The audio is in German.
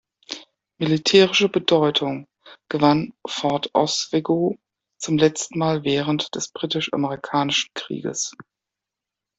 Militärische Bedeutung gewann Fort Oswego zum letzten Mal während des Britisch-Amerikanischen Kriegs.